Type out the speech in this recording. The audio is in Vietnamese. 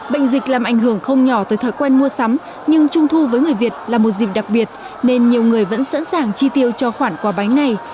bệnh dịch làm ảnh hưởng không nhỏ tới thói quen mua sắm nhưng trung thu với người việt là một dịp đặc biệt nên nhiều người vẫn sẵn sàng chi tiêu cho khoản quà bánh này